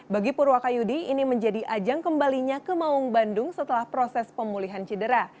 bagi purwakayudi ini menjadi ajang kembalinya ke maung bandung setelah proses pemulihan cedera